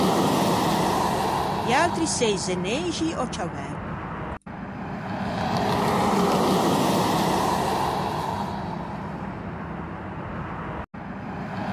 Viatri sei zeneixi ò ciavæn?